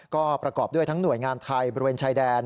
ก็ประกอบด้วยทั้งหน่วยงานไทยบริเวณชายแดน